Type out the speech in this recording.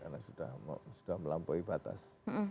karena sudah melampaui batas